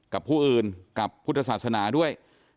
กับผู้อื่นกับพุทธศาสนาด้วย